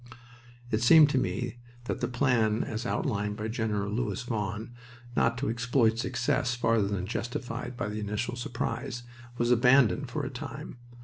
It seemed to me that the plan as outlined by Gen. Louis Vaughan, not to exploit success farther than justified by the initial surprise, was abandoned for a time.